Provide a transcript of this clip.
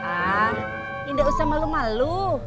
ah tidak usah malu malu